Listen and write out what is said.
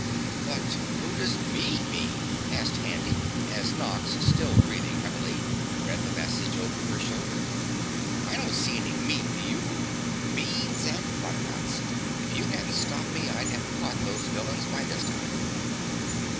"But who does 'me' mean?" asked Handy, as Nox, still breathing heavily, read the message over her shoulder. "I don't see any me, do you? Beans and butternuts! If you hadn't stopped me I'd have caught those villains by this time!"